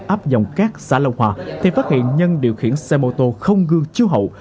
ấp dòng cát xã long hòa thì phát hiện nhân điều khiển xe mô tô không gương chiếu hậu